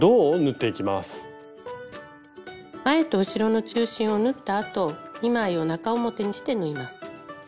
前と後ろの中心を縫ったあと２枚を中表にして縫います。